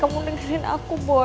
kamu dengerin yang aku bilang ya